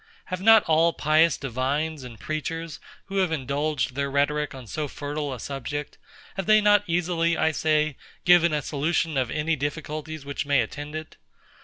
Have not all pious divines and preachers, who have indulged their rhetoric on so fertile a subject; have they not easily, I say, given a solution of any difficulties which may attend it?